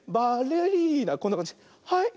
はい。